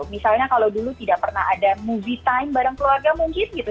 misalnya kalau dulu tidak pernah ada movi time bareng keluarga mungkin gitu